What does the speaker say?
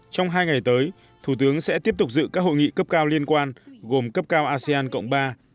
trong hai ngày tới thủ tướng sẽ tiếp tục dự các hội nghị cấp cao liên quan gồm cấp cao asean cộng ba